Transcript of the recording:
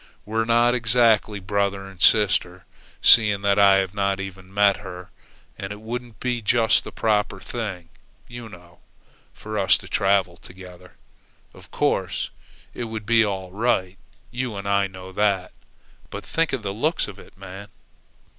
We're not exactly brother and sister, seeing that I have not even met her, and it wouldn't be just the proper thing, you know, for us to travel together. Of course, it would be all right you and I know that; but think of the looks of it, man!"